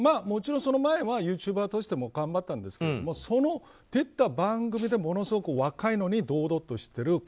もちろんその前はユーチューバーとして頑張ってたんですがその出た番組でものすごく若いのに堂々としている。